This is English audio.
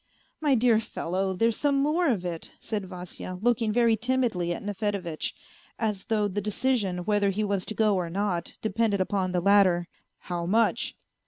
" My dear fellow, there's some more of it," said Vasya, looking very timidly at Nefedevitch, as though the decision whether he was to go or not depended upon the latter. " How much